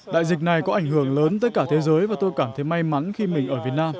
đại dịch này có ảnh hưởng lớn tới cả thế giới và tôi cảm thấy may mắn khi mình ở việt nam